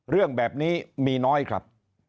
เรื่องแบบนี้มีน้อยครับ